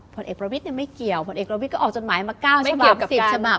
ผลเอกประวิทย์ไม่เกี่ยวผลเอกประวิทย์ก็ออกจดหมายมา๙ฉบับ๑๐ฉบับ